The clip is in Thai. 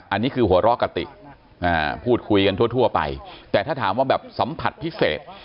อันนี้คือหัวเราะกะติพูดคุยกันทั่วไปแต่ถ้าถามว่าแบบสัมผัสพิเศษ